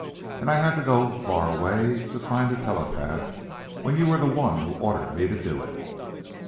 And I had to go far away to find a telepath, when you were the one who ordered me to do it."